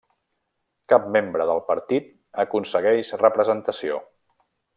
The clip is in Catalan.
Cap membre del partit aconsegueix representació.